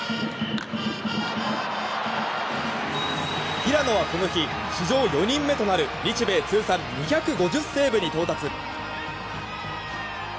平野はこの日史上４人目となる日米通算２５０セーブに到達。